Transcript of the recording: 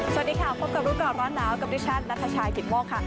สวัสดีค่ะพบกันแล้วกับดิฉันนัทชายกิฟม่อค่ะ